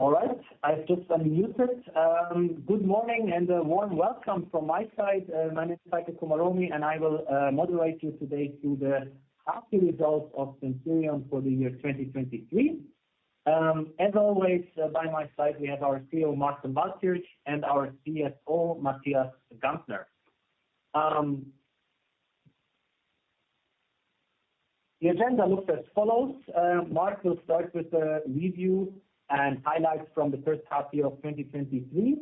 All right, I've just unmuted. Good morning and a warm welcome from my side. My name is Heiko Komaromi, and I will moderate you today through the half year results of Sensirion for the year 2023. As always, by my side, we have our CEO, Marc von Waldkirch, and our CFO, Matthias Gantner. The agenda looks as follows. Marc will start with the review and highlights from the first half year of 2023,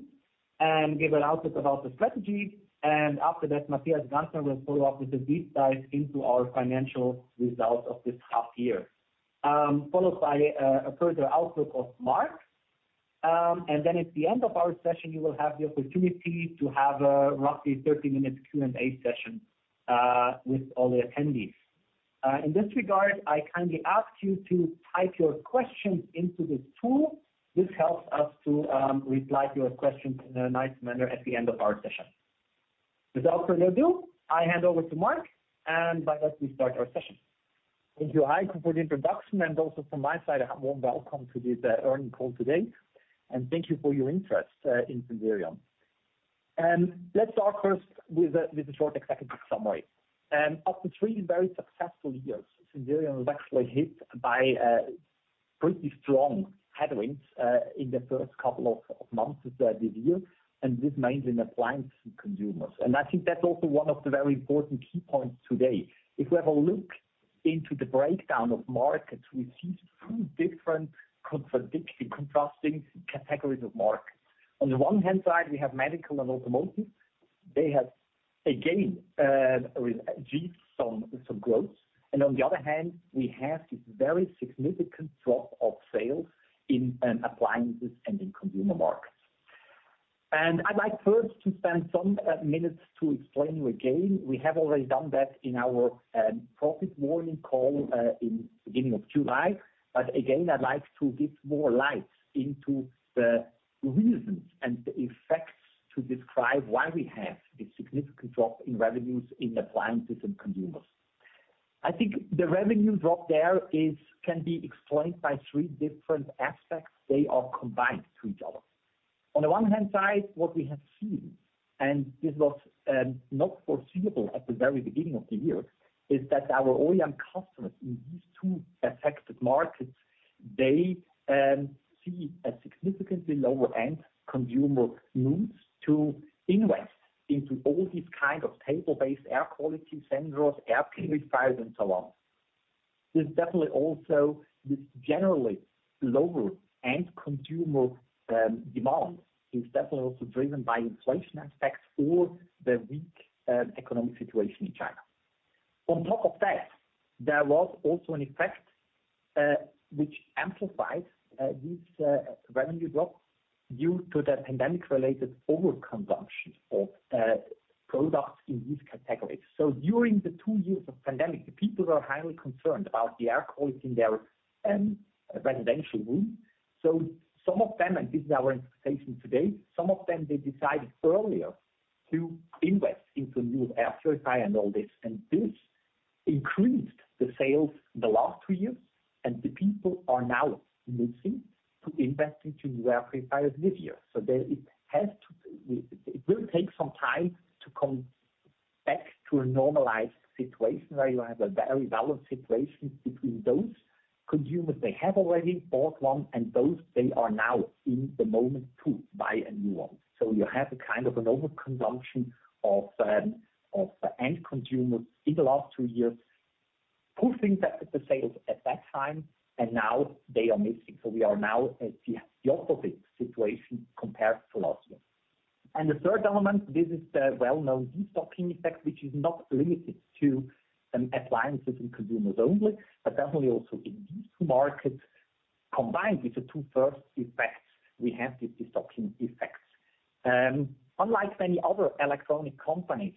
and give an outlook about the strategy. After that, Matthias Gantner will follow up with a deep dive into our financial results of this half year. Followed by a further outlook of Marc. Then at the end of our session, you will have the opportunity to have a roughly 30-minute Q&A session with all the attendees. In this regard, I kindly ask you to type your questions into this tool. This helps us to reply to your questions in a nice manner at the end of our session. Without further ado, I hand over to Marc. Let us start our session. Thank you, Heiko, for the introduction, and also from my side, a warm welcome to this earning call today, and thank you for your interest in Sensirion. Let's start first with a short executive summary. After three very successful years, Sensirion was actually hit by pretty strong headwinds in the first couple of months of this year, and this means in appliance and consumers. I think that's also one of the very important key points today. If we have a look into the breakdown of markets, we see two different contradictory, contrasting categories of markets. On the one hand side, we have medical and automotive. They have, again, achieved some, some growth, and on the other hand, we have this very significant drop of sales in appliances and in consumer markets. I'd like first to spend some minutes to explain to you again, we have already done that in our profit warning call in beginning of July. Again, I'd like to give more light into the reasons and the effects to describe why we have this significant drop in revenues in appliances and consumers. I think the revenue drop there is, can be explained by three different aspects. They are combined to each other. On the one hand side, what we have seen, and this was not foreseeable at the very beginning of the year, is that our OEM customers in these two affected markets, they see a significantly lower end consumer moves to invest into all these kind of table-based air quality sensors, air purifiers, and so on. There's definitely also this generally lower end consumer demand is definitely also driven by inflation aspects or the weak economic situation in China. On top of that, there was also an effect which amplified this revenue drop due to the pandemic-related overconsumption of products in these categories. During the two years of pandemic, the people were highly concerned about the air quality in their residential room. Some of them, and this is our expectation today, some of them, they decided earlier to invest into new air purifier and all this, and this increased the sales in the last two years, and the people are now missing to invest into new air purifiers this year. There it will take some time to come back to a normalized situation where you have a very balanced situation between those consumers, they have already bought one, and those, they are now in the moment to buy a new one. You have a kind of an overconsumption of the end consumer in the last two years, pulling back the sales at that time, and now they are missing. We are now at the opposite situation compared to last year. The third element, this is the well-known destocking effect, which is not limited to appliances and consumers only, but definitely also in these markets. Combined with the two first effects, we have these destocking effects. Unlike many other electronic companies,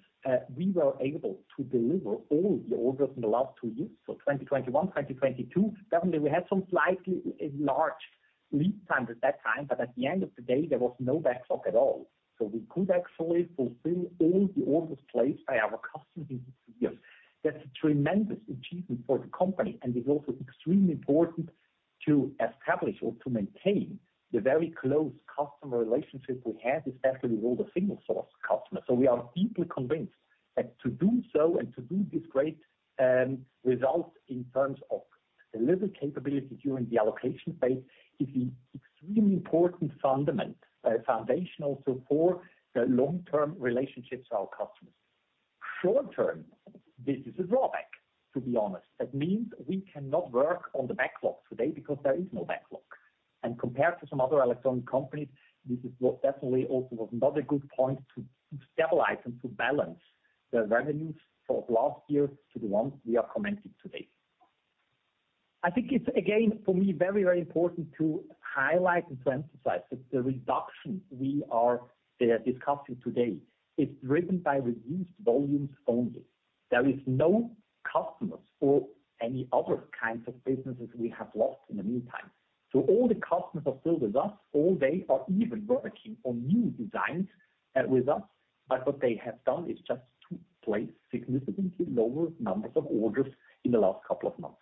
we were able to deliver all the orders in the last two years. 2021, 2022, definitely, we had some slightly large lead times at that time, but at the end of the day, there was no backstock at all. We could actually fulfill all the orders placed by our customers this year. That's a tremendous achievement for the company, and it's also extremely important to establish or to maintain the very close customer relationships we have, especially with all the single source customers. We are deeply convinced that to do so and to do this great result in terms of delivery capability during the allocation phase is an extremely important fundament, foundational for the long-term relationships to our customers. Short term, this is a drawback, to be honest. That means we cannot work on the backlog today because there is no backlog. Compared to some other electronic companies, this is what definitely also was another good point to stabilize and to balance the revenues for last year to the ones we are commenting today. I think it's, again, for me, very, very important to highlight and to emphasize that the reduction we are discussing today is driven by reduced volumes only. There is no customers or any other kinds of businesses we have lost in the meantime. All the customers are still with us, or they are even working on new designs with us, but what they have done is just to place significantly lower numbers of orders in the last couple of months.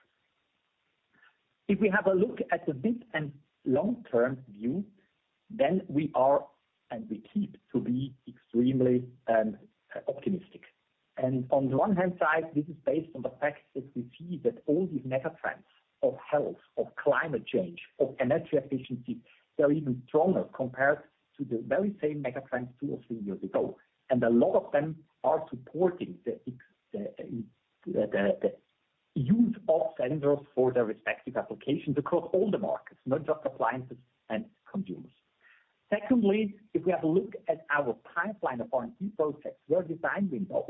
If we have a look at the mid and long-term view, then we are, and we keep to be extremely optimistic. On the one hand side, this is based on the fact that we see that all these mega trends of health, of climate change, of energy efficiency, they're even stronger compared to the very same mega trends 2 or 3 years ago. A lot of them are supporting the use of sensors for their respective applications across all the markets, not just appliances and consumers. Secondly, if we have a look at our pipeline of R&D projects, where design wins are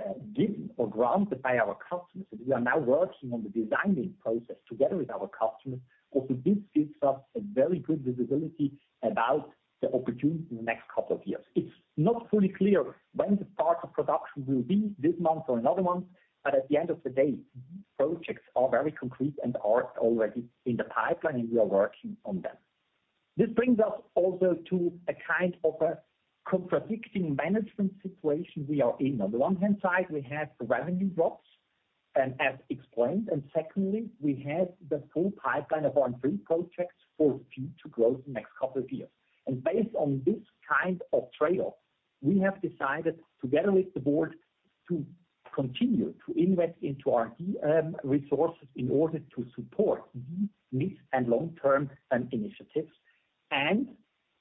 already given or granted by our customers, we are now working on the designing process together with our customers. Also, this gives us a very good visibility about the opportunity in the next couple of years. It's not fully clear when the start of production will be, this month or another month, at the end of the day, projects are very concrete and are already in the pipeline, and we are working on them. This brings us also to a kind of a contradicting management situation we are in. On the one hand side, we have revenue drops, and as explained, and secondly, we have the full pipeline of R&D projects for future growth in the next couple of years. Based on this kind of trade-off, we have decided, together with the board, to continue to invest into our resources in order to support these mid and long-term initiatives, and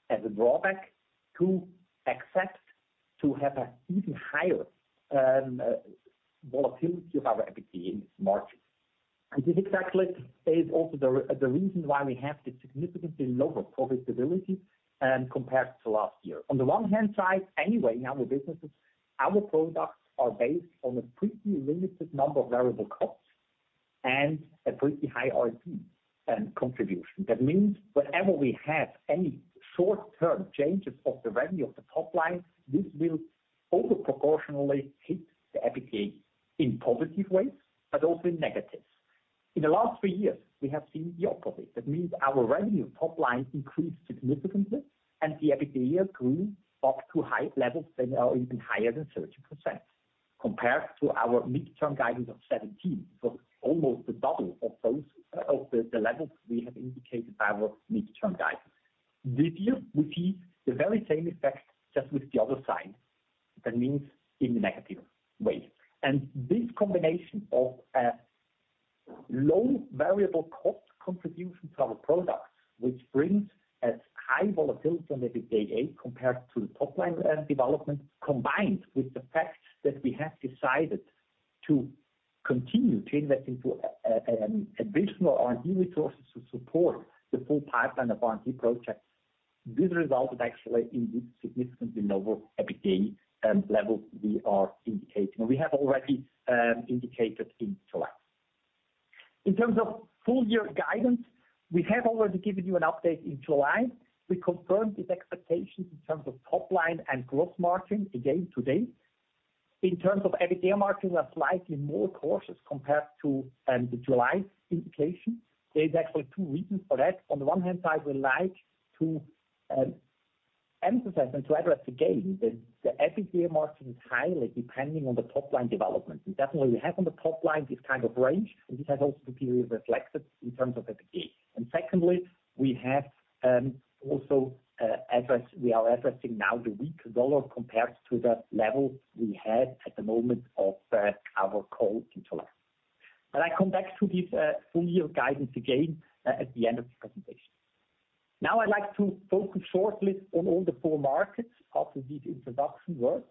as a drawback, to accept to have an even higher volatility of our EBITDA margins. This exactly is also the reason why we have the significantly lower profitability compared to last year. On the one hand side, anyway, in our businesses, our products are based on a pretty limited number of variable costs and a pretty high GP contribution. That means wherever we have any short-term changes of the revenue of the top line, this will over proportionally hit the EBITDA in positive ways, but also in negatives. In the last three years, we have seen the opposite. That means our revenue top line increased significantly, the EBITDA grew up to high levels that are even higher than 30%, compared to our midterm guidance of 17. Almost the double of those of the levels we have indicated by our midterm guidance. This year, we see the very same effect, just with the other side. That means in the negative way. This combination of a low variable cost contribution to our products, which brings a high volatility on the EBITDA compared to the top line development, combined with the fact that we have decided to continue to invest into additional R&D resources to support the full pipeline of R&D projects. This resulted actually in this significantly lower EBITDA levels we are indicating, and we have already indicated in July. In terms of full year guidance, we have already given you an update in July. We confirmed this expectation in terms of top line and gross margin again today. In terms of EBITDA margin, we are slightly more cautious compared to the July indication. There is actually two reasons for that. On the one hand side, we like to emphasize and to address again, that the EBITDA margin is highly depending on the top line development. Definitely, we have on the top line this kind of range, and this has also been reflected in terms of EBITDA. Secondly, we have also address-- we are addressing now the weak U.S. dollar compared to the level we had at the moment of our call in July. I come back to this full year guidance again at the end of the presentation. Now, I'd like to focus shortly on all the four markets after this introduction work.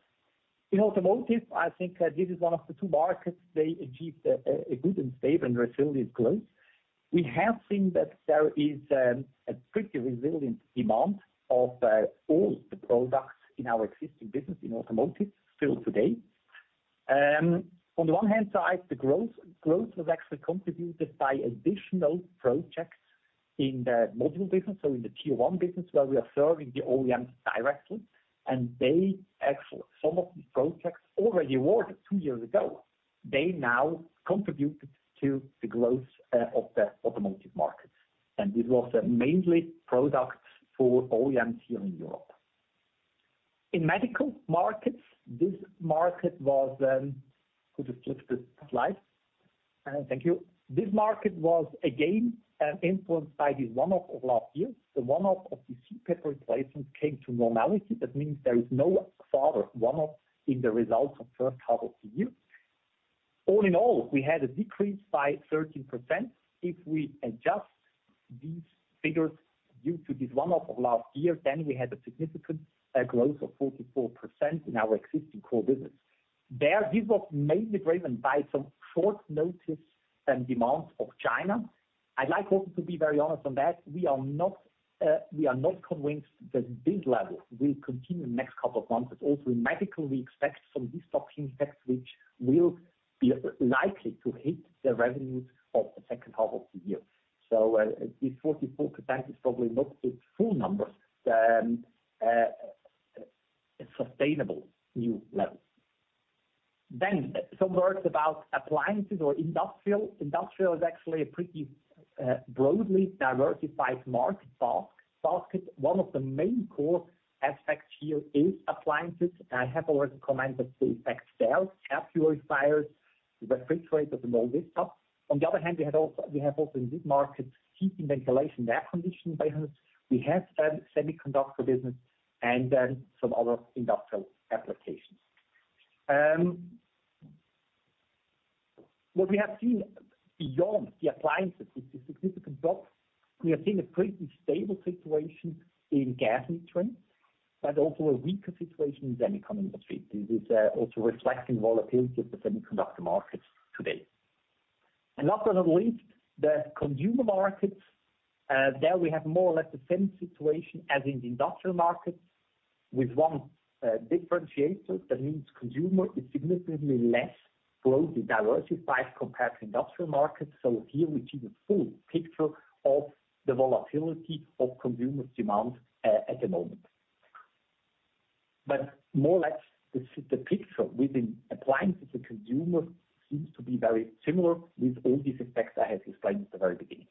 In automotive, I think this is one of the two markets they achieved a good and stable and resilient growth. We have seen that there is a pretty resilient demand of all the products in our existing business in automotive still today. On the one hand side, the growth, growth was actually contributed by additional projects in the module business, so in the Tier 1 business, where we are serving the OEMs directly, and they actually, some of these projects already awarded two years ago, they now contribute to the growth of the automotive market. This was mainly products for OEMs here in Europe. In medical markets, this market was, could you flip the slide? Thank you. This market was, again, influenced by the one-off of last year. The one-off of the CPAP replacement came to normality. That means there is no further one-off in the results of first half of the year. All in all, we had a decrease by 13%. If we adjust these figures due to this one-off of last year, we had a significant growth of 44% in our existing core business. There, this was mainly driven by some short notice and demands of China. I'd like also to be very honest on that, we are not, we are not convinced that this level will continue in the next couple of months, but also in medical, we expect some destocking effects, which will be likely to hit the revenues of the second half of the year. This 44% is probably not the full number, a sustainable new level. Some words about appliances or industrial. Industrial is actually a pretty broadly diversified market, but one of the main core aspects here is appliances. I have already commented the fact sales, air purifiers-... the uncertain. On the other hand, we had also, we have also in this market, heating, ventilation, air conditioning business. We have semiconductor business and then some other industrial applications. What we have seen beyond the appliances is the significant drop. We have seen a pretty stable situation in gas metering, but also a weaker situation in the semiconductor industry. This is also reflecting volatility of the semiconductor markets today. Last but not least, the consumer markets, there we have more or less the same situation as in the industrial market, with one differentiator. That means consumer is significantly less closely diversified compared to industrial markets. Here we see the full picture of the volatility of consumer demand at the moment. More or less, this is the picture within appliances, the consumer seems to be very similar with all these effects I have explained at the very beginning.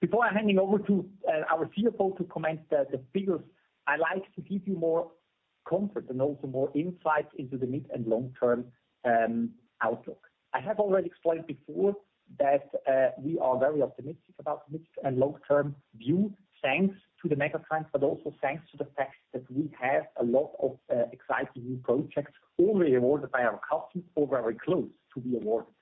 Before I handing over to our CFO to comment the, the figures, I like to give you more comfort and also more insight into the mid and long-term outlook. I have already explained before that we are very optimistic about mid- and long-term view, thanks to the megatrends, but also thanks to the fact that we have a lot of exciting new projects already awarded by our customers or very close to be awarded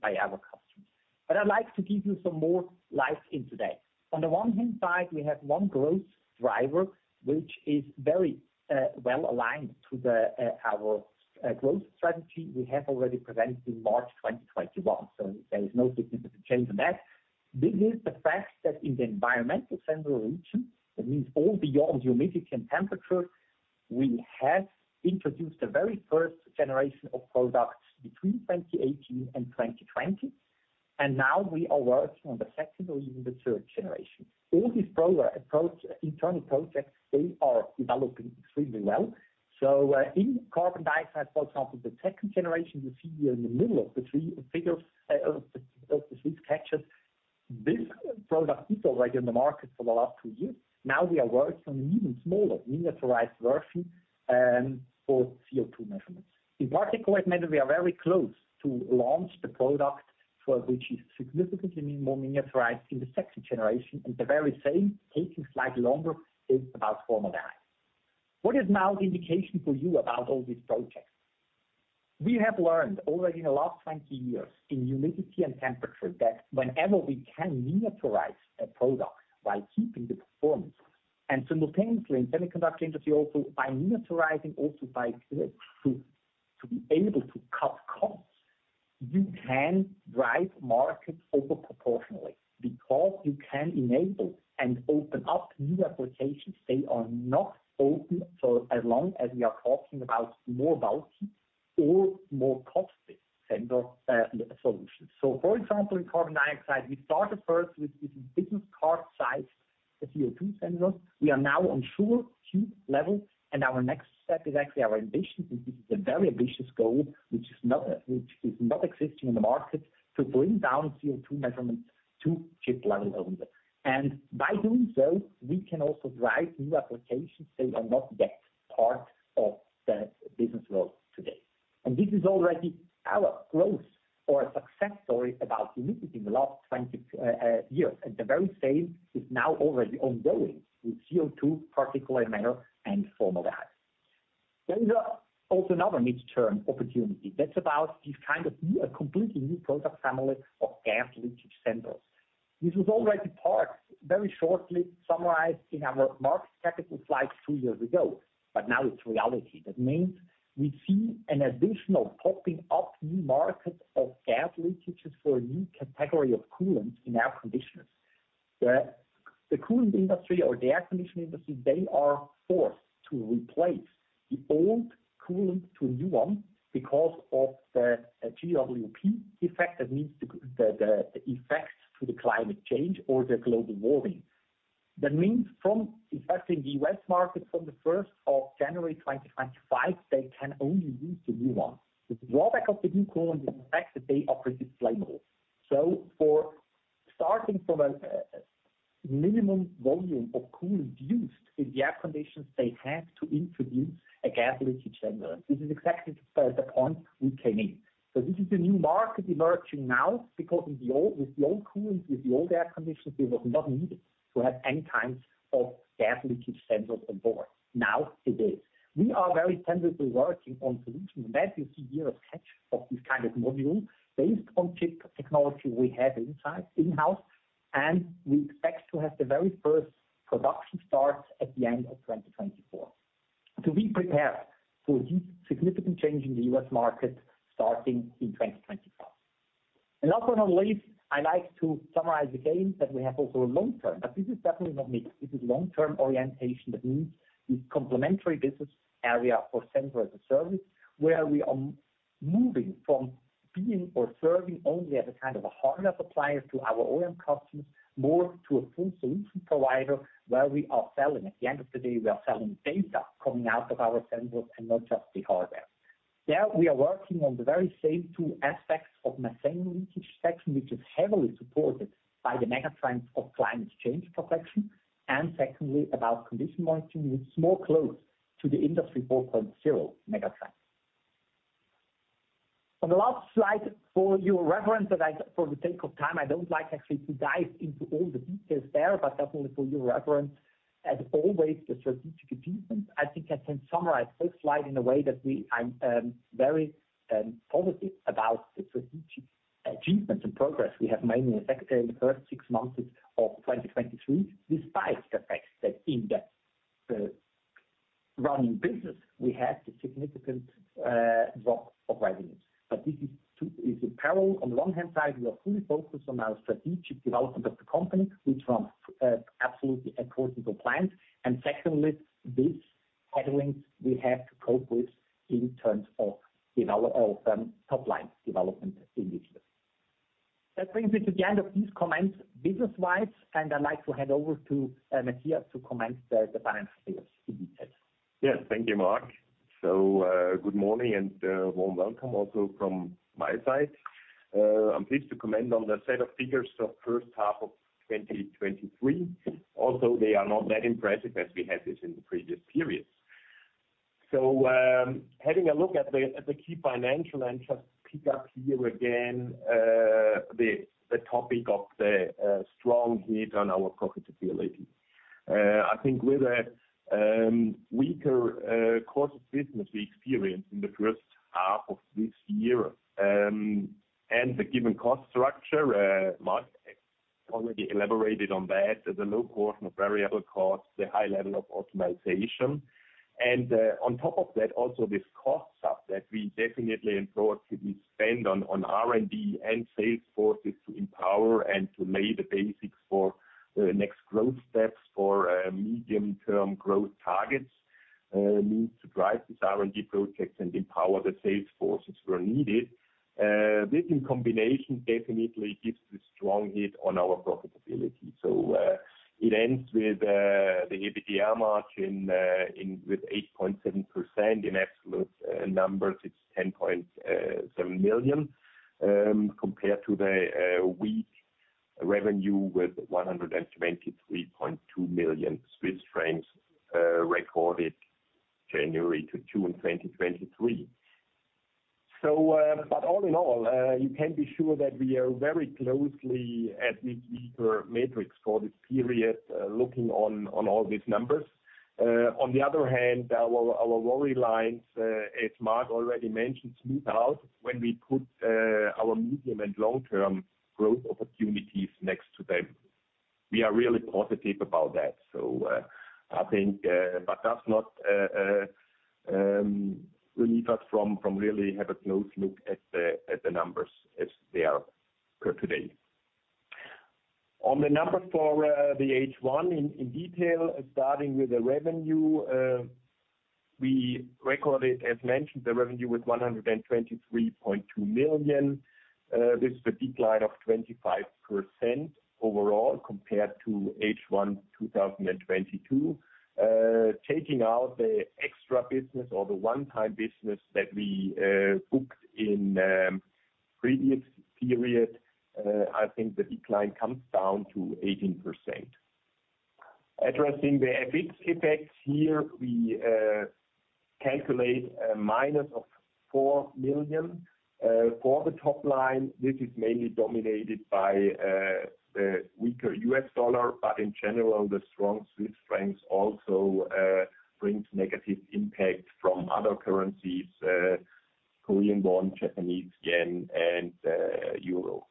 by our customers. I'd like to give you some more light in today. On the one hand side, we have one growth driver, which is very well aligned to our growth strategy we have already presented in March 2021, there is no significant change in that. This is the fact that in the environmental sensing region, that means all beyond humidity and temperature, we have introduced the very first generation of products between 2018 and 2020, and now we are working on the second or even the third generation. All these product approach, internal projects, they are developing extremely well. In carbon dioxide, for example, the second generation you see here in the middle of the three figures, of the six catches. This product is already in the market for the last two years. Now we are working on an even smaller miniaturized version, for CO2 measurements. In particulate matter, we are very close to launch the product for which is significantly more miniaturized in the second generation, and the very same, taking slightly longer, is about formaldehyde. What is now the indication for you about all these projects? We have learned already in the last 20 years in humidity and temperature, that whenever we can miniaturize a product while keeping the performance, and simultaneously in semiconductor industry, also by miniaturizing, also by to, to be able to cut costs, you can drive markets over proportionally, because you can enable and open up new applications. They are not open for as long as we are talking about more bulky or more costly sensor solutions. For example, in carbon dioxide, we started first with this, this business card size, the CO2 sensor. We are now on sugar cube level, and our next step is actually our ambition. This is a very ambitious goal, which is not, which is not existing in the market, to bring down CO2 measurements to chip level only. By doing so, we can also drive new applications that are not yet part of the business world today. This is already our growth or success story about humidity in the last 20 years. At the very same is now already ongoing with CO2, particulate matter, and formaldehyde. There is also another mid-term opportunity that's about this kind of new, a completely new product family of gas leakage sensors. This was already part, very shortly summarized in our Capital Markets slides two years ago, but now it's reality. That means we see an additional popping up new market of gas leakages for a new category of coolants in air conditioners. The, the coolant industry or the air conditioning industry, they are forced to replace the old coolant to a new one because of the GWP effect. That means the effects to the climate change or the global warming. That means from, especially in the US market, from the 1st of January 2025, they can only use the new one. The drawback of the new coolant is the fact that they are pretty flammable. For starting from a minimum volume of coolant used in the air conditioners, they have to introduce a gas leakage sensor. This is exactly the point we came in. This is the new market emerging now, because in the old, with the old coolant, with the old air conditioners, it was not needed to have any kinds of gas leakage sensors on board. Now it is. We are very tentatively working on solutions, that you see here, a sketch of this kind of module based on chip technology we have inside, in-house. We expect to have the very first production start at the end of 2024. To be prepared for this significant change in the US market, starting in 2024. Last but not least, I like to summarize again that we have also a long term, this is definitely not mid, this is long term orientation. That means this complementary business area for Sensor as a Service, where we are moving from being or serving only as a kind of a hardware supplier to our OEM customers, more to a full solution provider, where we are selling. At the end of the day, we are selling data coming out of our sensors and not just the hardware. There, we are working on the very same two aspects of methane leakage, which is heavily supported by the mega trend of climate change protection. Secondly, about condition monitoring, it's more close to the Industry 4.0 mega trend. On the last slide, for your reference, that I, for the sake of time, I don't like actually to dive into all the details there. Definitely for your reference, as always, the strategic achievements, I think I can summarize this slide in a way that we, I'm very positive about the strategic achievements and progress we have made in the second, in the first six months of 2023, despite the fact that in the running business, we had a significant drop of revenues. This is to, is a parallel. On the long-hand side, we are fully focused on our strategic development of the company, which run absolutely according to plan. Secondly, these headwinds we have to cope with in terms of develop, top line development in this year. That brings me to the end of these comments, business-wise, and I'd like to hand over to Matthias to comment the, the balance figures in detail. Yes, thank you, Marc. Good morning, and warm welcome also from my side. I'm pleased to comment on the set of figures of first half of 2023, although they are not that impressive as we had this in the previous periods. Having a look at the, at the key financial and just pick up here again, the, the topic of the, strong hit on our profitability. I think with a weaker course of business we experienced in the first half of this year, and the given cost structure, Marc already elaborated on that, the low portion of variable costs, the high level of optimization. On top of that, also this cost-ups that we definitely and thought we spend on R&D and sales forces to empower and to lay the basics for next growth steps for medium-term growth targets, need to drive this R&D projects and empower the sales forces where needed. This in combination definitely gives a strong hit on our profitability. It ends with the EBITDA margin in with 8.7%. In absolute numbers, it's 10.7 million compared to the weak revenue with 123.2 million Swiss francs recorded January to June 2023. All in all, you can be sure that we are very closely at these weaker metrics for this period, looking on all these numbers. On the other hand, our, our worry lines, as Marc already mentioned, smooth out when we put our medium and long-term growth opportunities next to them. We are really positive about that. I think, but that's not relieve us from, from really have a close look at the, at the numbers as they are per today. On the numbers for the H1, in, in detail, starting with the revenue, we recorded, as mentioned, the revenue with 123.2 million, with a decline of 25% overall, compared to H1 2022. Taking out the extra business or the one-time business that we booked in previous period, I think the decline comes down to 18%. Addressing the FX effects here, we calculate a minus of 4 million. For the top line, this is mainly dominated by the weaker US dollar. In general, the strong Swiss francs also brings negative impact from other currencies, Korean won, Japanese yen, and euro.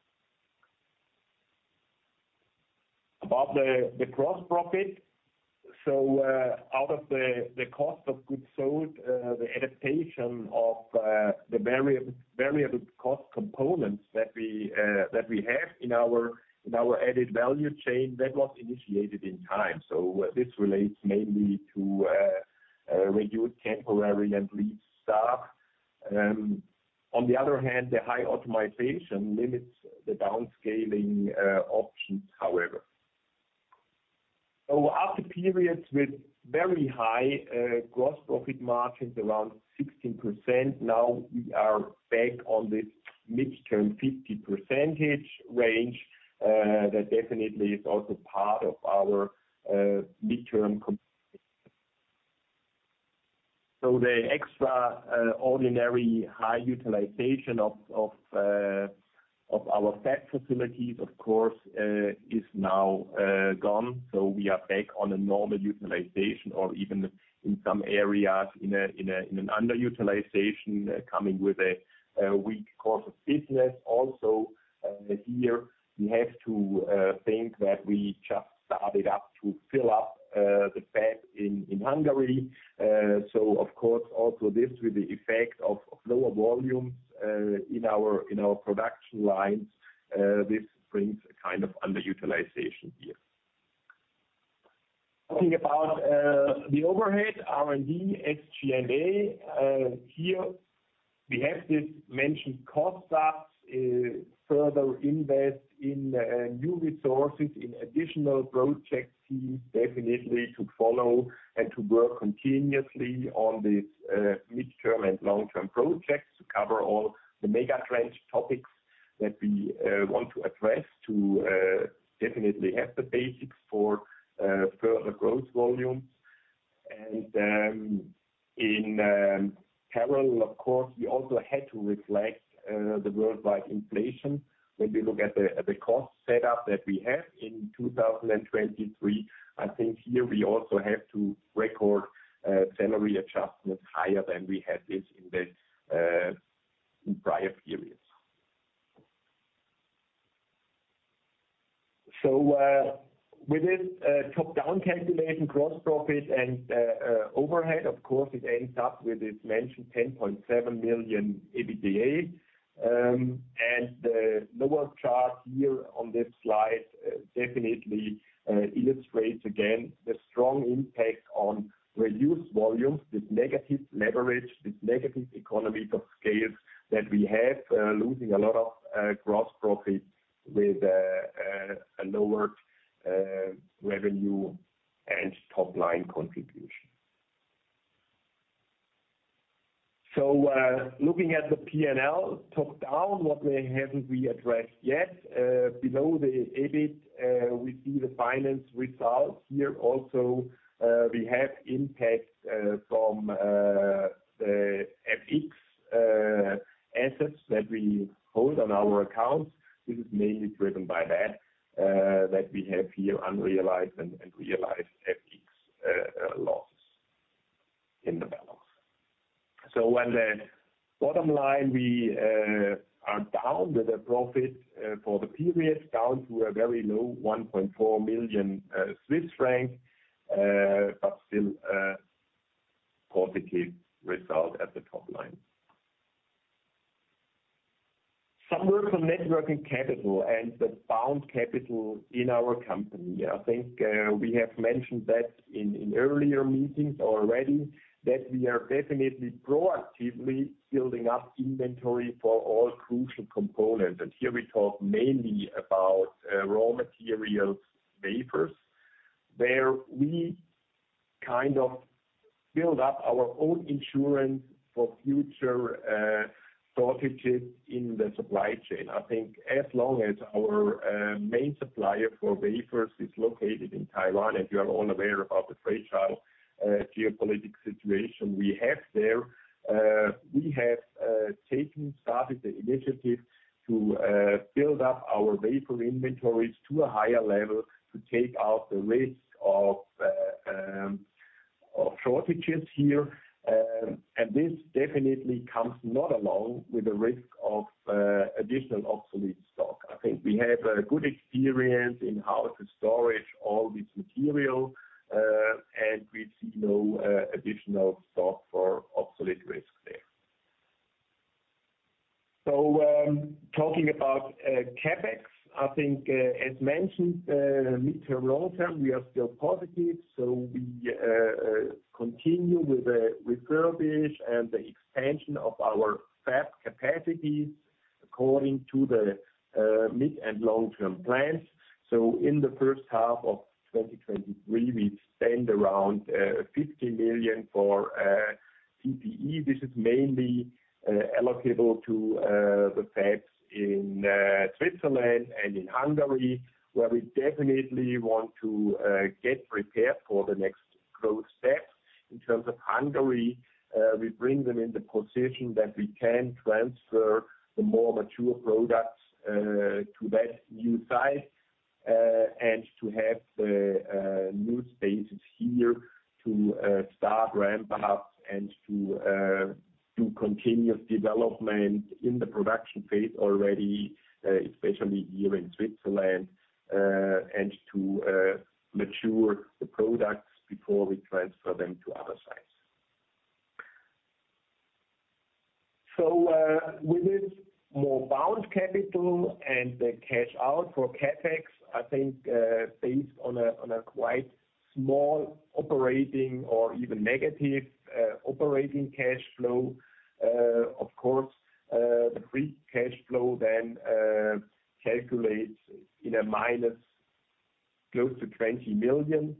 About the gross profit, out of the cost of goods sold, the adaptation of the variable cost components that we have in our added value chain, that was initiated in time. This relates mainly to reduced temporary and lead staff. On the other hand, the high optimization limits the downscaling options, however. After periods with very high gross profit margins, around 16%, now we are back on the midterm 50% range. That definitely is also part of our midterm comp-. The extra ordinary high utilization of our fab facilities, of course, is now gone. We are back on a normal utilization or even in some areas, in an underutilization, coming with a weak course of business. Also, here, we have to think that we just started up to fill up the fab in Hungary. Of course, also this with the effect of lower volumes in our production lines, this brings a kind of underutilization here. Talking about the overhead, R&D, SG&A, here, we have this mentioned cost-ups, further invest in new resources, in additional project teams, definitely to follow and to work continuously on these midterm and long-term projects, to cover all the megatrend topics that we want to address to definitely have the basics for further growth volumes. In parallel, of course, we also had to reflect the worldwide inflation. When we look at the cost setup that we have in 2023, I think here we also have to record salary adjustments higher than we had this in prior periods. With this top-down calculation, gross profit and overhead, of course, it ends up with this mentioned 10.7 million EBITDA. And the lower chart here on this slide, definitely illustrates again, the strong impact on reduced volumes, this negative leverage, this negative economy of scale that we have, losing a lot of gross profit with a lower revenue and top line contribution. Looking at the P&L, top down, what we haven't we addressed yet, below the EBIT, we see the finance results here also, we have impact from the FX assets that we hold on our accounts. This is mainly driven by that, that we have here unrealized and realized FX loss in the balance. When the bottom line, we are down with a profit for the period, down to a very low 1.4 million Swiss franc, but still a positive result at the top line. Some work on net working capital and the bound capital in our company. I think we have mentioned that in earlier meetings already, that we are definitely proactively building up inventory for all crucial components. Here we talk mainly about raw materials, wafers, where we kind of build up our own insurance for future shortages in the supply chain. I think as long as our main supplier for wafers is located in Taiwan, and you are all aware of the trade war, geopolitical situation we have there, we have taken, started the initiative to build up our wafer inventories to a higher level, to take out the risk of shortages here. This definitely comes not alone with the risk of additional obsolete stock. I think we have a good experience in how to storage all this material, and we see no additional stock for obsolete risk there. Talking about CapEx, I think as mentioned, mid-term, long-term, we are still positive. We continue with the refurbish and the expansion of our fab capacities according to the mid and long-term plans. In the first half of 2023, we spend around 50 million for CapEx. This is mainly allocable to the fabs in Switzerland and in Hungary, where we definitely want to get prepared for the next growth steps. In terms of Hungary, we bring them in the position that we can transfer the more mature products to that new site and to have new spaces here to start ramp-ups and to do continuous development in the production phase already, especially here in Switzerland, and to mature the products before we transfer them to other sites. With this more bound capital and the cash out for CapEx, I think, based on a, on a quite small operating or even negative, operating cash flow, of course, the free cash flow then, calculates in a minus close to 20 million.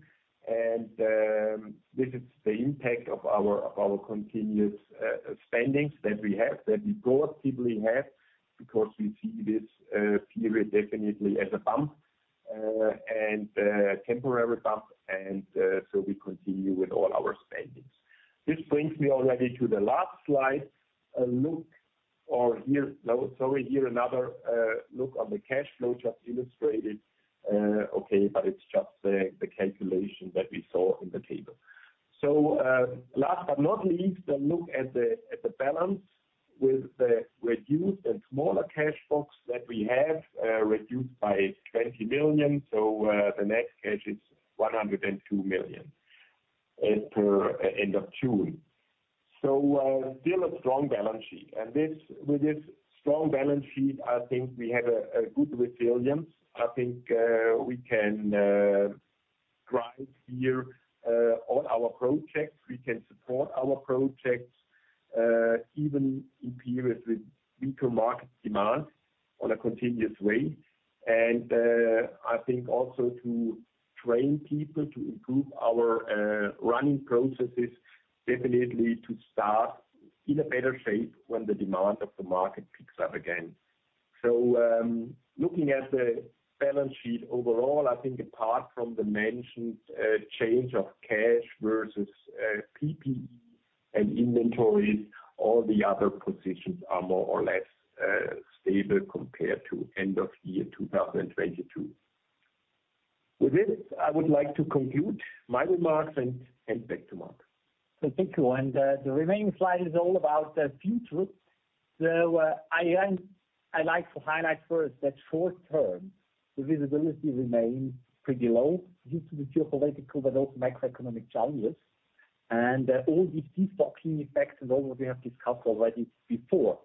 This is the impact of our, of our continuous, spendings that we have, that we proactively have, because we see this, period definitely as a bump, and a temporary bump, and, so we continue with all our spendings. This brings me already to the last slide, a look or here, no, sorry, here, another, look on the cash flow just illustrated. Okay, it's just the, the calculation that we saw in the table. Last but not least, the look at the, at the balance with the reduced and smaller cash box that we have, reduced by 20 million. The next cash is 102 million as per end of June. Still a strong balance sheet. This, with this strong balance sheet, I think we have a, a good resilience. I think, we can, drive here, on our projects. We can support our projects, even in periods with weaker market demand on a continuous way. I think also to train people to improve our, running processes, definitely to start in a better shape when the demand of the market picks up again. Looking at the balance sheet overall, I think apart from the mentioned change of cash versus PP&E and inventories, all the other positions are more or less stable compared to end of year 2022. With this, I would like to conclude my remarks and hand back to Mark. Thank you. The remaining slide is all about the future. I like to highlight first that short term, the visibility remains pretty low due to the geopolitical, but also macroeconomic challenges. All these de-stocking effects and all what we have discussed already before.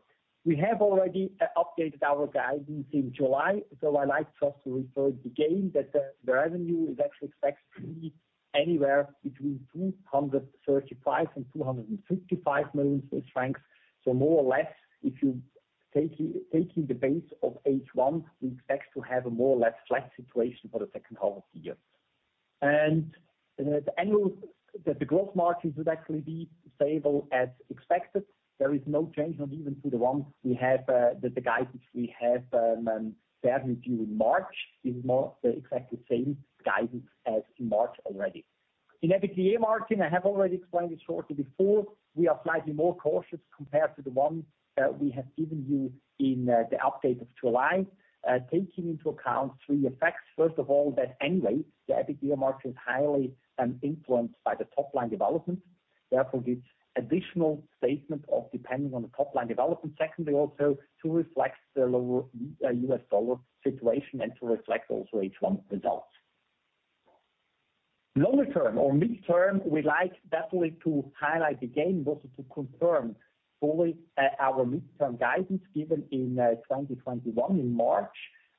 We have already updated our guidance in July, so I like just to refer again, that the revenue is actually expected to be anywhere between 235 million and 255 million Swiss francs. More or less, if you taking the base of H1, we expect to have a more or less flat situation for the second half of the year. The gross margins would actually be stable as expected. There is no change, not even to the ones we have, that the guidance we have shared with you in March, is more the exactly same guidance as in March already. In EBITDA margin, I have already explained it shortly before, we are slightly more cautious compared to the ones we have given you in the update of July. Taking into account three effects, first of all, that anyway, the EBITDA margin is highly influenced by the top line development, therefore, gives additional statement of depending on the top line development. Secondly, also, to reflect the lower US dollar situation and to reflect also H1 results. Longer term or midterm, we like definitely to highlight again, also to confirm fully our midterm guidance given in 2021, in March.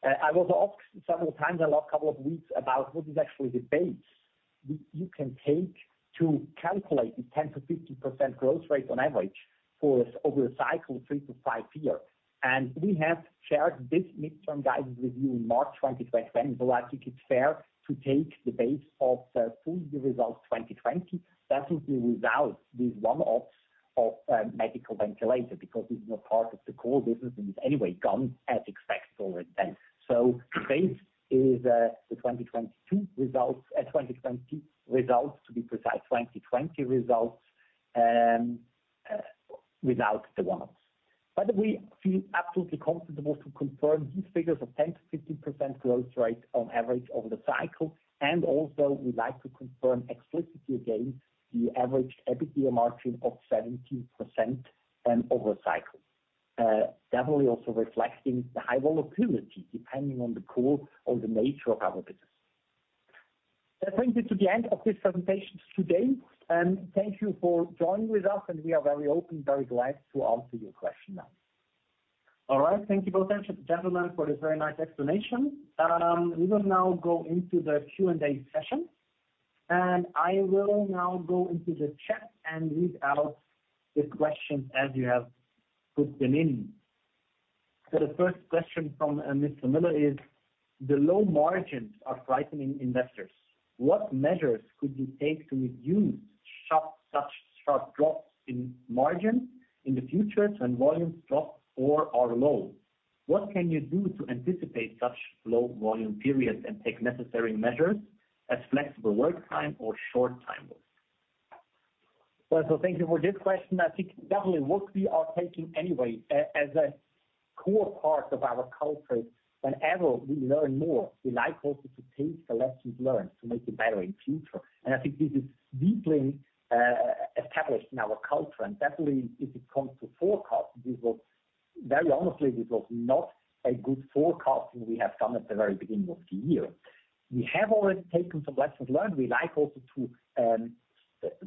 I was asked several times the last couple of weeks about what is actually the base you, you can take to calculate the 10%-15% growth rate on average for over a cycle, three - fiveyear. We have shared this midterm guidance with you in March 2020. I think it's fair to take the base of the full year results 2020, definitely without these one-offs of medical ventilator, because this is not part of the core business, and it's anyway gone as expected already then. Base is the 2022 results, 2020 results, to be precise, 2020 results, without the one-offs. We feel absolutely comfortable to confirm these figures of 10%-15% growth rate on average over the cycle, and also we like to confirm explicitly again, the average EBITDA margin of 17% over cycle. Definitely also reflecting the high volatility, depending on the core or the nature of our business. That brings me to the end of this presentation today, thank you for joining with us, and we are very open, very glad to answer your question now. All right. Thank you both, gentlemen, for this very nice explanation. We will now go into the Q&A session, and I will now go into the chat and read out the questions as you have put them in. The first question from Mr. Müller is: The low margins are frightening investors. What measures could you take to reduce sharp, such sharp drops in margin in the future when volumes drop or are low? What can you do to anticipate such low volume periods and take necessary measures as flexible work time or short time work? Thank you for this question. I think definitely what we are taking anyway, as a core part of our culture, whenever we learn more, we like also to take the lessons learned to make it better in future. I think this is deeply established in our culture. Definitely, if it comes to forecasting, very honestly, this was not a good forecasting we have done at the very beginning of the year. We have already taken some lessons learned. We like also to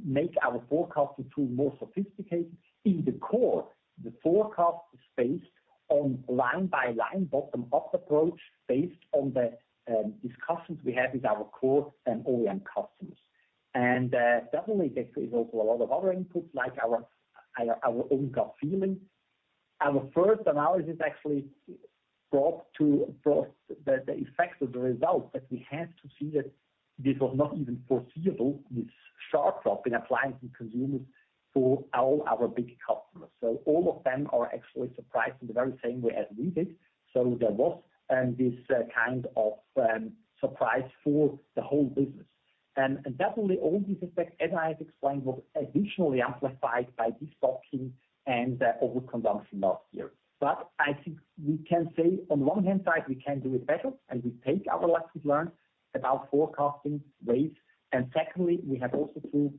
make our forecasting tool more sophisticated. In the core, the forecast is based on line by line, bottom up approach, based on the discussions we have with our core and OEM customers. Definitely, this is also a lot of other inputs, like our own gut feeling. Our first analysis actually brought to, brought the, the effects of the results, but we had to see that this was not even foreseeable, this sharp drop in appliance and consumers for all our big customers. All of them are actually surprised in the very same way as we did. There was this kind of surprise for the whole business. And definitely all these effects, as I have explained, was additionally amplified by de-stocking and the overconsumption last year. I think we can say on the one hand side, we can do it better, and we take our lessons learned about forecasting ways. Secondly, we have also to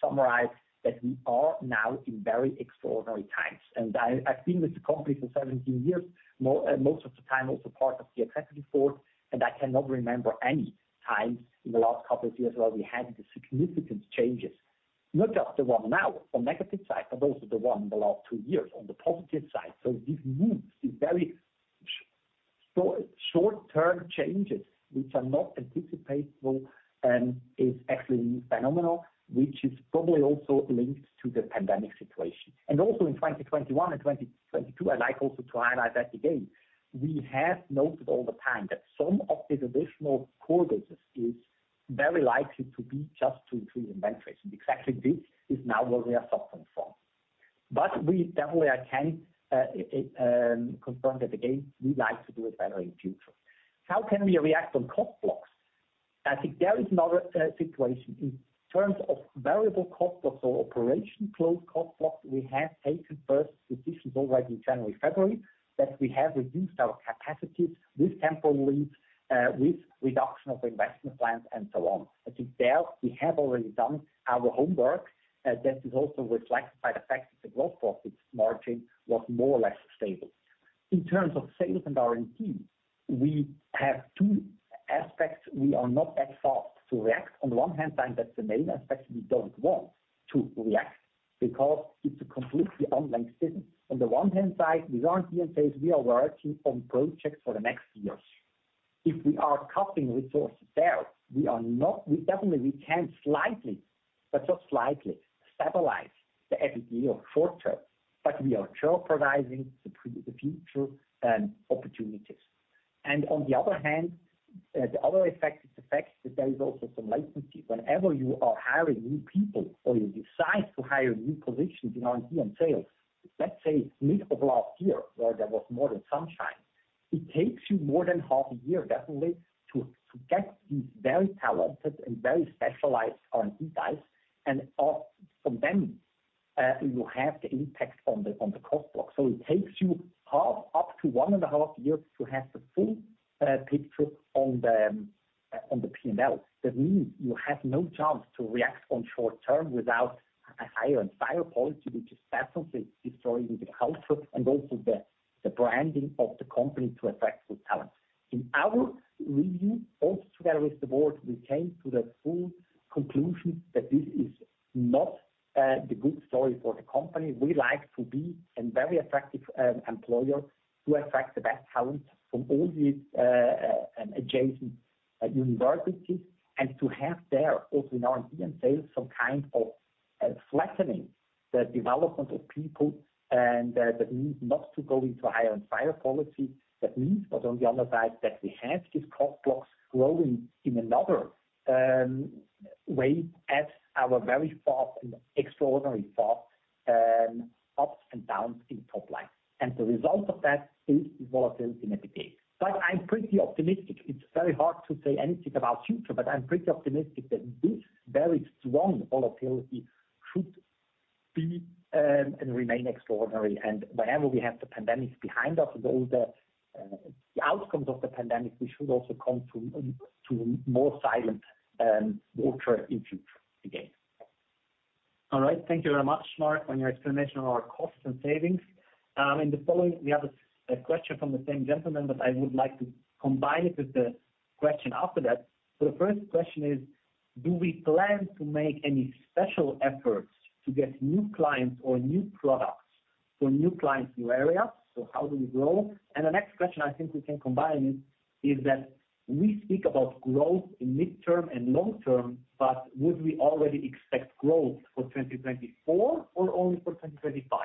summarize that we are now in very extraordinary times. I, I've been with the company for 17 years, more, most of the time, also part of the executive board, and I cannot remember any time in the last couple of years where we had the significant changes. Not just the one now, on the negative side, but also the one in the last two years on the positive side. So these moves, these very so short-term changes, which are not anticipatable, is actually phenomenal, which is probably also linked to the pandemic situation. Also in 2021 and 2022, I'd like also to highlight that again, we have noted all the time that some of this additional core business very likely to be just to, to inventory, exactly this is now what we are suffering from. We definitely, I can confirm that again, we like to do it better in future. How can we react on cost blocks? I think there is another situation in terms of variable cost or so operation close cost blocks, we have taken first decisions already in January, February, that we have reduced our capacities with temporarily with reduction of investment plans and so on. I think there we have already done our homework that is also reflected by the fact that the gross profit margin was more or less stable. In terms of sales and R&D, we have two aspects. We are not that fast to react. On the one hand side, that's the main aspect, we don't want to react because it's a completely online system. On the one hand side, with R&D and sales, we are working on projects for the next years. If we are cutting resources there, we are not we definitely, we can slightly, but just slightly, stabilize the EBITDA short term, but we are jeopardizing the future opportunities. On the other hand, the other effect, it affects that there is also some latency. Whenever you are hiring new people or you decide to hire new positions in R&D and sales, let's say, mid of last year, where there was more than sunshine, it takes you more than half a year, definitely, to get these very talented and very specialized R&D guys, and from then, you have the impact on the, on the cost block. It takes you half, up to one and a half years to have the full picture on the P&L. That means you have no chance to react on short term without a hire and fire policy, which is definitely destroying the culture and also the branding of the company to attract good talent. In our review, also together with the board, we came to the full conclusion that this is not the good story for the company. We like to be a very effective employer, to attract the best talent from all the and adjacent universities, and to have there, also in R&D and sales, some kind of flattening the development of people, and that means not to go into hire and fire policy. That means, but on the other side, that we have these cost blocks growing in another way as our very fast and extraordinary fast ups and downs in top line. The result of that is volatility in EBITDA. I'm pretty optimistic. It's very hard to say anything about future, but I'm pretty optimistic that this very strong volatility should be and remain extraordinary. Whenever we have the pandemic behind us, all the outcomes of the pandemic, we should also come to more silent water in future again. All right. Thank you very much, Mark, on your explanation on our costs and savings. In the following, we have a question from the same gentleman, but I would like to combine it with the question after that. The first question is: Do we plan to make any special efforts to get new clients or new products for new clients, new areas? How do we grow? The next question, I think we can combine it, is that we speak about growth in midterm and long term, but would we already expect growth for 2024 or only for 2025?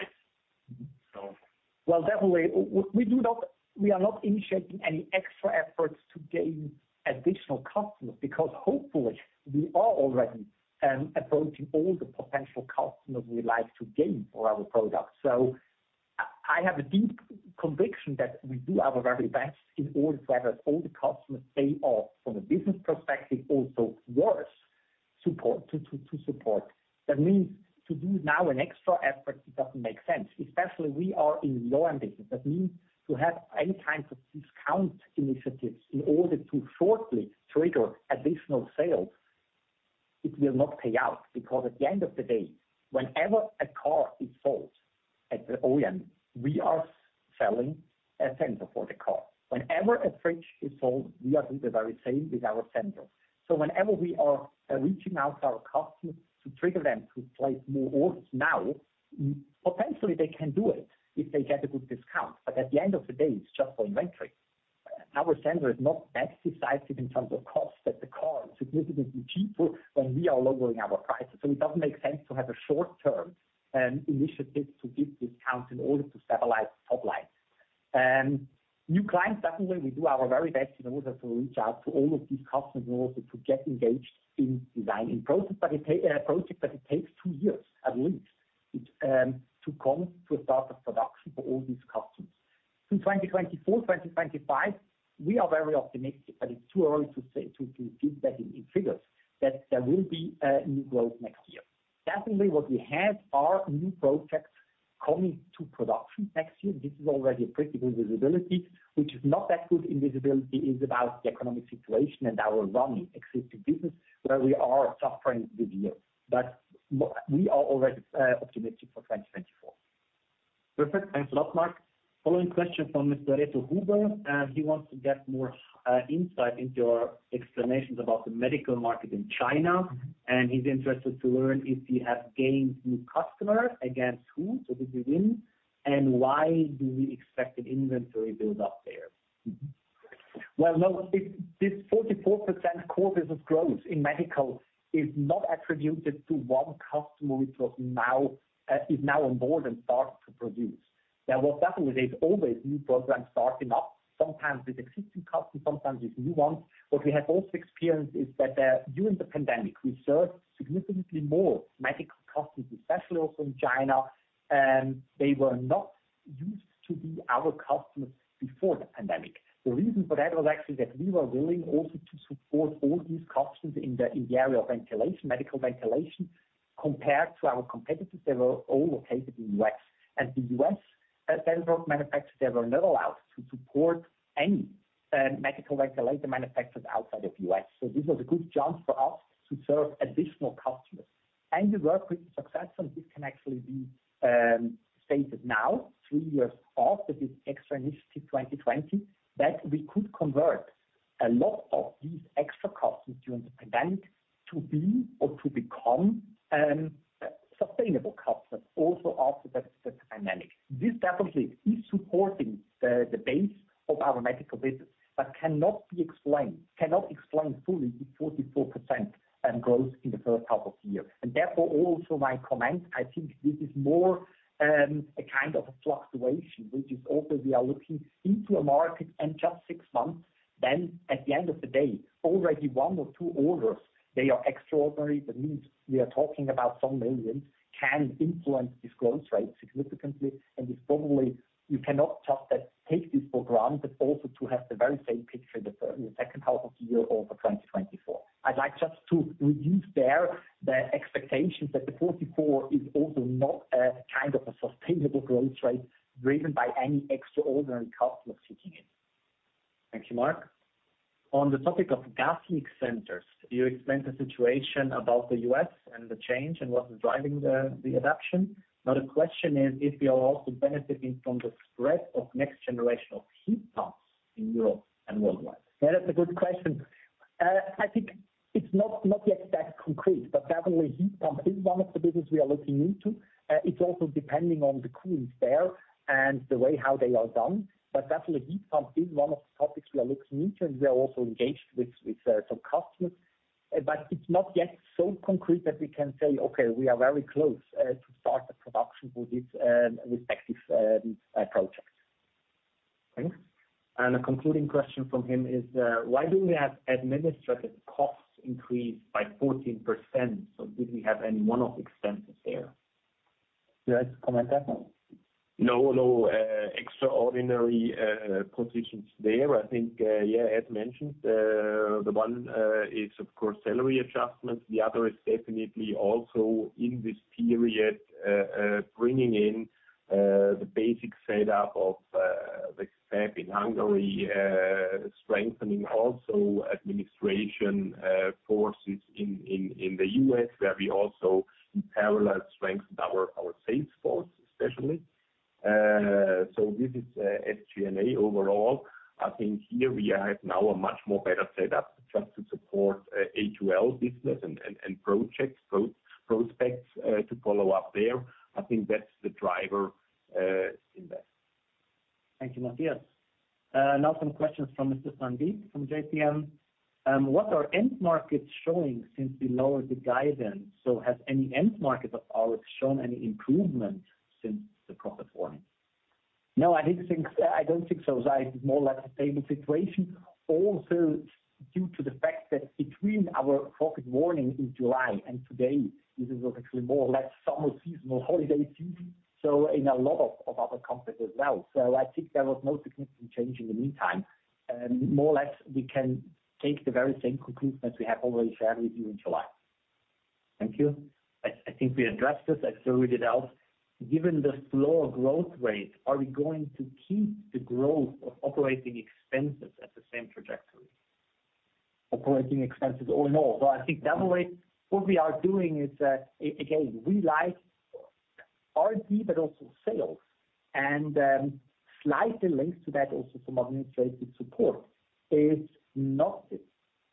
Well, definitely, we are not initiating any extra efforts to gain additional customers, because hopefully, we are already approaching all the potential customers we like to gain for our products. So I, I have a deep conviction that we do our very best in order to have all the customers they are, from a business perspective, also worth support, to support. That means to do now an extra effort, it doesn't make sense, especially we are in low-end business. That means to have any kinds of discount initiatives in order to shortly trigger additional sales, it will not pay out, because at the end of the day, whenever a car is sold at the OEM, we are selling a sensor for the car. Whenever a fridge is sold, we are doing the very same with our sensor. Whenever we are reaching out to our customers to trigger them to place more orders now, potentially, they can do it if they get a good discount. At the end of the day, it's just for inventory. Our sensor is not as decisive in terms of cost, that the car is significantly cheaper when we are lowering our prices. It doesn't make sense to have a short term initiative to give discounts in order to stabilize top line. New clients, definitely, we do our very best in order to reach out to all of these customers, also to get engaged in design and process. It project, but it takes 2 years at least to come to a start of production for all these customers. In 2024, 2025, we are very optimistic, but it's too early to say, to give that in figures, that there will be new growth next year. Definitely, what we have are new projects coming to production next year. This is already a pretty good visibility, which is not that good in visibility, is about the economic situation and our running existing business, where we are suffering this year. We are already optimistic for 2024. Perfect. Thanks a lot, Mark. Following question from Mr. Renato Huber. He wants to get more insight into your explanations about the medical market in China, and he's interested to learn if you have gained new customers, against who, so who did you win? Why do we expect an inventory build up there? Well, no, it, this 44% quarters of growth in medical is not attributed to one customer, which was now, is now on board and start to produce. Yeah, well, definitely there's always new programs starting up, sometimes with existing customers, sometimes with new ones. What we have also experienced is that, during the pandemic, we served significantly more medical customers, especially also in China, and they were not used to be our customers before the pandemic. The reason for that was actually that we were willing also to support all these customers in the, in the area of ventilation, medical ventilation, compared to our competitors that were all located in U.S. The U.S., several manufacturers, they were not allowed to support any medical ventilator manufacturers outside of U.S. This was a good chance for us to serve additional customers. We work with success, and this can actually be stated now, three years after this extra initiative 2020, that we could convert a lot of these extra customers during the pandemic to be or to become sustainable customers also after the pandemic. This definitely is supporting the base of our medical business, but cannot be explained, cannot explain fully the 44% growth in the first half of the year. Therefore, also my comment, I think this is more a kind of a fluctuation, which is also we are looking into a market in just six months. At the end of the day, already one or two orders, they are extraordinary, but means we are talking about some millions, can influence this growth rate significantly, and it's probably you cannot just take this for granted, but also to have the very same picture in the second half of the year or for 2024. I'd like just to reduce there the expectations that the 44 is also not a kind of a sustainable growth rate driven by any extraordinary customer sitting in. Thank you, Mark. On the topic of gas leak sensors, you explained the situation about the U.S. and the change and what is driving the adoption. Now, the question is, if we are also benefiting from the spread of next generation of heat pumps in Europe and worldwide? Yeah, that's a good question. I think it's not, not yet that concrete, definitely heat pump is one of the business we are looking into. It's also depending on the coolants there and the way how they are done. Definitely, heat pump is one of the topics we are looking into, and we are also engaged with, with some customers. It's not yet so concrete that we can say, "Okay, we are very close to start the production for this respective project." Thanks. A concluding question from him is, why do we have administrative costs increased by 14%? Did we have any one-off expenses there? You like to comment that, or? No, no, extraordinary positions there. I think, yeah, as mentioned, the one is, of course, salary adjustments. The other is definitely also in this period, bringing in the basic setup of the staff in Hungary, strengthening also administration forces in the U.S., where we also in parallel strengthened our sales force, especially. This is SG&A overall. I think here we have now a much more better setup just to support automotive business and projects, prospects, to follow up there. I think that's the driver in that. Thank you, Matthias. Now some questions from Mr. Sandeep from JPM. What are end markets showing since we lowered the guidance? Has any end market at all shown any improvement since the profit warning? No, I didn't think so. I don't think so. I think it's more or less a stable situation, also due to the fact that between our profit warning in July and today, this is actually more or less summer seasonal holiday season, so in a lot of, of other companies as well. I think there was no significant change in the meantime. More or less, we can take the very same conclusion as we have already shared with you in July. Thank you. I think we addressed this, as we did else. Given the slower growth rate, are we going to keep the growth of operating expenses at the same trajectory? Operating expenses or more? Well, I think definitely what we are doing is that, again, we like R&D, but also sales, and slightly linked to that, also some administrative support, is not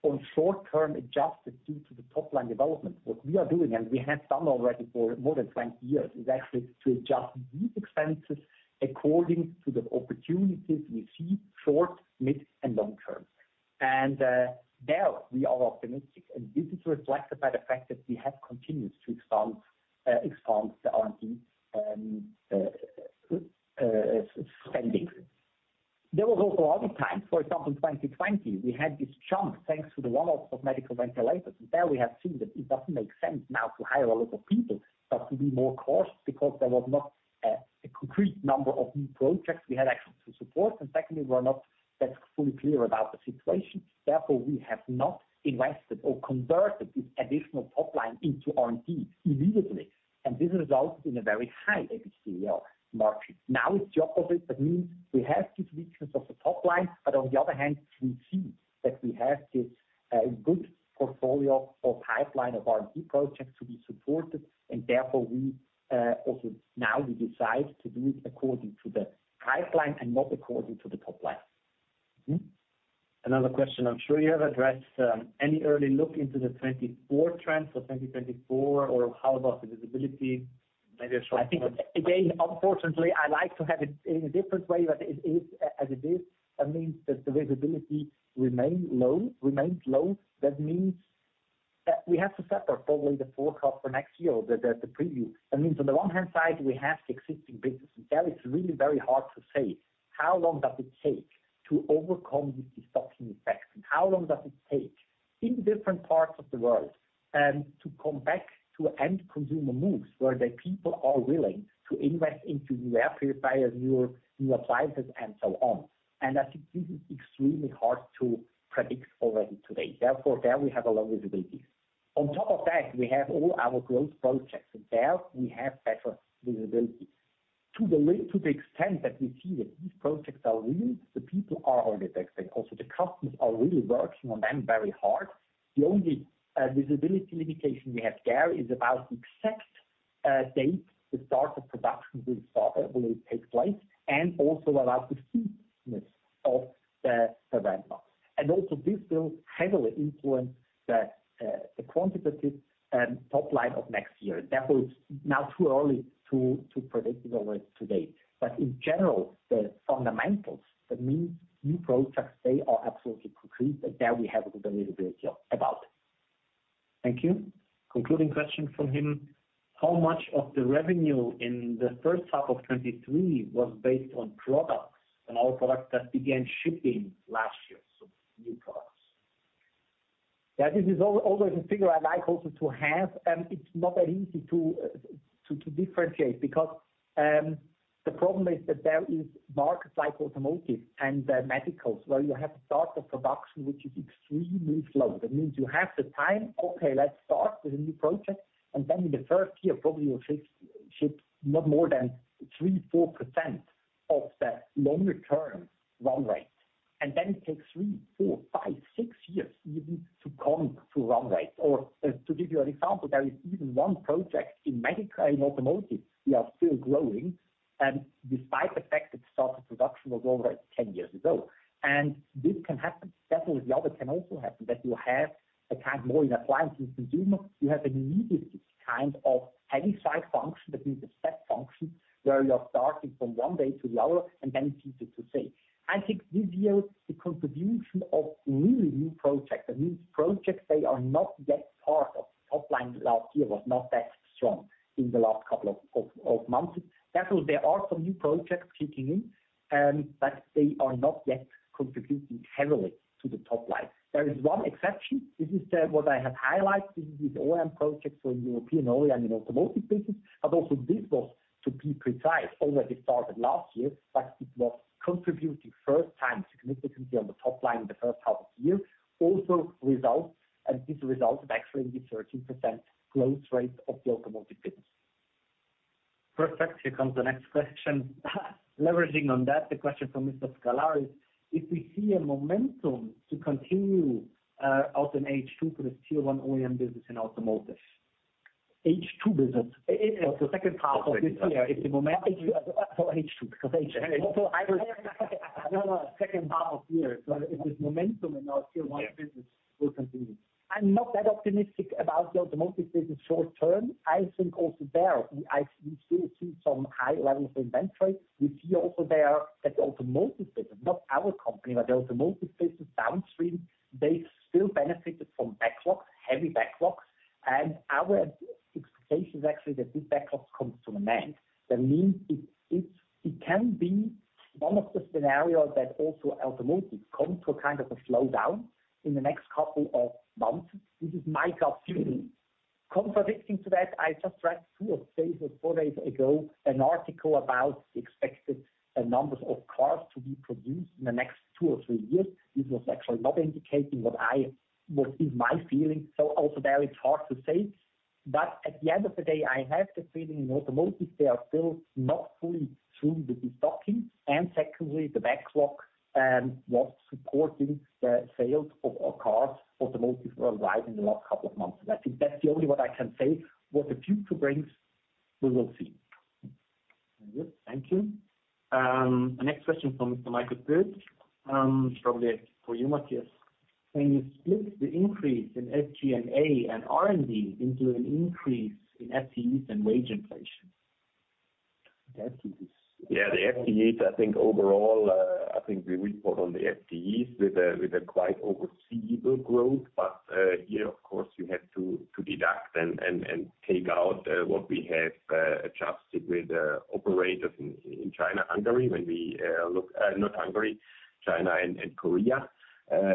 on short-term adjusted due to the top line development. What we are doing, and we have done already for more than 20 years, is actually to adjust these expenses according to the opportunities we see short, mid, and long term. There we are optimistic, and this is reflected by the fact that we have continued to expand, expand the R&D spending. There was also other times, for example, 2020, we had this chunk, thanks to the roll-out of medical ventilators. There we have seen that it doesn't make sense now to hire a lot of people, but to be more cautious because there was not a concrete number of new projects we had actually to support. Secondly, we're not that fully clear about the situation. Therefore, we have not invested or converted this additional top line into R&D immediately, and this resulted in a very high EBITDA margin. Now, it's the opposite, that means we have this weakness of the top line, but on the other hand, we see that we have this good portfolio or pipeline of R&D projects to be supported, and therefore we also now we decide to do it according to the pipeline and not according to the top line. Mm-hmm. Another question, I'm sure you have addressed, any early look into the 2024 trends or 2024, or how about the visibility? Maybe a short. I think, again, unfortunately, I like to have it in a different way, but it is as it is, that means that the visibility remain low, remains low. That means. We have to separate probably the forecast for next year or the, the preview. That means on the one hand side, we have the existing business, and there it's really very hard to say, how long does it take to overcome the destocking effects? And how long does it take in different parts of the world, to come back to end consumer moves, where the people are willing to invest into new air purifiers, new, new appliances, and so on. I think this is extremely hard to predict already today. Therefore, there we have a low visibility. On top of that, we have all our growth projects, and there we have better visibility. To the extent that we see that these projects are real, the people are already there, and also the customers are really working on them very hard. The only visibility limitation we have there is about the exact date, the start of production will start, will take place, and also about the seamlessness of the ramp up. Also this will heavily influence the quantitative top line of next year. Therefore, it's now too early to predict it already today. In general, the fundamentals, the new, new projects, they are absolutely concrete, and there we have a good visibility of about. Thank you. Concluding question from him. How much of the revenue in the first half of 2023 was based on products, and all products that began shipping last year, so new products? Yeah, this is always a figure I like also to have, it's not that easy to differentiate. Because, the problem is that there is markets like automotive and medicals, where you have start of production, which is extremely slow. That means you have the time, okay, let's start with a new project, and then in the first year, probably you'll ship not more than 3-4% of that longer term run rate. Then it takes three, four, five, six years even to come to run rate. To give you an example, there is even 1 project in medical and automotive, we are still growing, despite the fact that start of production was over 10 years ago. This can happen, certainly the other can also happen, that you have a kind, more in appliance and consumer, you have an immediate kind of Heaviside function. That means a step function, where you are starting from 1 day to the other, and then it's easy to say. I think this year, the contribution of really new projects, that means projects, they are not yet part of the top line last year, was not that strong in the last couple of months. There are some new projects kicking in, but they are not yet contributing heavily to the top line. There is one exception. This is OEM projects for European OEM in automotive business. This was, to be precise, already started last year, but it was contributing first time significantly on the top line in the first half of the year. This result of actually the 13% growth rate of the automotive business. Perfect. Here comes the next question. Leveraging on that, the question from Mr. Scalari, "If we see a momentum to continue out in H2 for the Tier1 OEM business in automotive?" H2 business? The second half of this year, if the momentum- H2, second half of the year. If this momentum in our Tier 1 business will continue. I'm not that optimistic about the automotive business short term. I think also there, we, we still see some high levels of inventory. We see also there that the automotive business, not our company, but the automotive business downstream, they still benefited from backlogs, heavy backlogs. Our expectation is actually that this backlog comes to an end. That means it, it, it can be one of the scenarios that also automotive come to a kind of a slowdown in the next couple of months. This is my gut feeling. Contradicting to that, I just read two or three or four days ago, an article about the expected numbers of cars to be produced in the next two or three years. This was actually not indicating what I, what is my feeling. Also there, it's hard to say. At the end of the day, I have the feeling in automotive, they are still not fully through the de-stocking. Secondly, the backlog was supporting the sales of, of cars, automotive arrived in the last couple of months. I think that's the only way I can say what the future brings, we will see. Good. Thank you. The next question from Mr. Michael Foeth, probably for you, Matthias. Can you split the increase in SG&A and R&D into an increase in FTEs and wage inflation? The FTEs. Yeah, the FTEs, I think overall, I think we report on the FTEs with a quite foreseeable growth. Here, of course, you have to deduct and take out what we have adjusted with the operators in China, Hungary, when we look, not Hungary, China and Korea,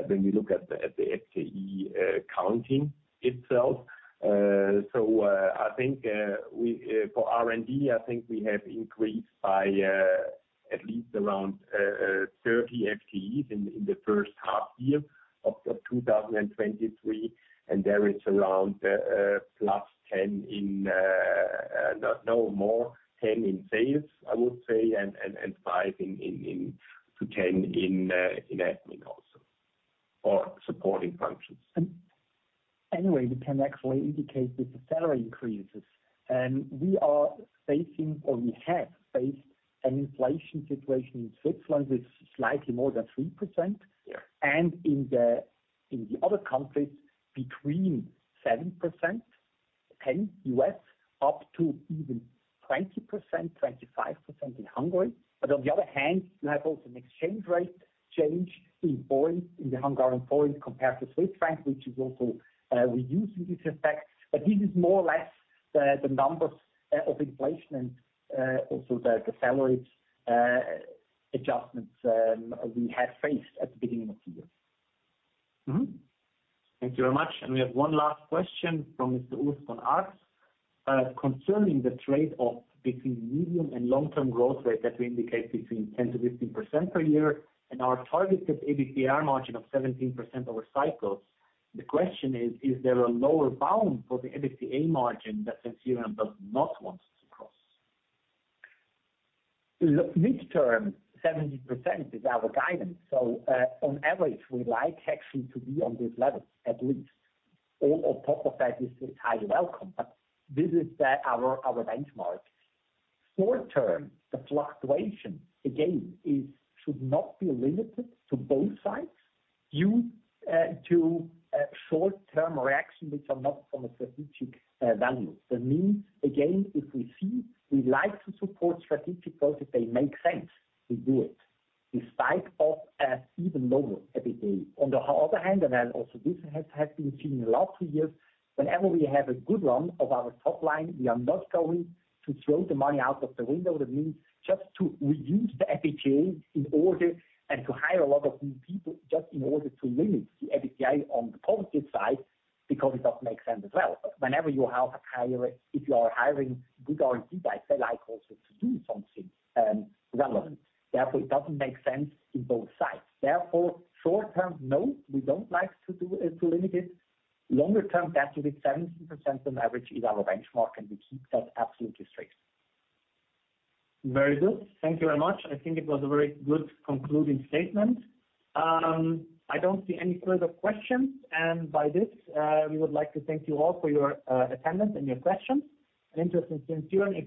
when we look at the FTE counting itself. I think we, for R&D, I think we have increased by at least around 30 FTEs in the first half year of 2023. There is around +10 in, no, more 10 in sales, I would say, and 5-10 in admin also, or supporting functions. Anyway, we can actually indicate with the salary increases, and we are facing or we have faced an inflation situation in Switzerland with slightly more than 3%. Yeah. In the, in the other countries, between 7%-10 US, up to even 20%, 25% in Hungary. On the other hand, you have also an exchange rate change in forint, in the Hungarian forint, compared to Swiss franc, which is also reducing this effect. This is more or less the, the numbers of inflation and also the, the salaries adjustments we have faced at the beginning of the year. Thank you very much. We have one last question from Mr. Andreas von Arx. Concerning the trade-off between medium and long-term growth rate that we indicate between 10%-15% per year, and our targeted EBITDA margin of 17% over cycles. The question is: Is there a lower bound for the EBITDA margin that Sensirion does not want us to cross? The midterm 70% is our guidance. On average, we like actually to be on this level, at least. All on top of that is highly welcome, but this is the, our benchmark. Short term, the fluctuation, again, is should not be limited to both sides, due to short-term reactions which are not from a strategic value. That means, again, if we see, we like to support strategic goals, if they make sense, we do it, despite of even lower EBITDA. On the other hand, and then also this has been seen in the last two years, whenever we have a good run of our top line, we are not going to throw the money out of the window. That means just to reduce the EBITDA in order, and to hire a lot of new people, just in order to limit the EBITDA on the positive side, because it doesn't make sense as well. Whenever you have hire, if you are hiring good R&D, they like also to do something, relevant. It doesn't make sense in both sides. Short term, no, we don't like to do to limit it. Longer term, that will be 17% on average is our benchmark, and we keep that absolutely straight. Very good. Interest in Sensirion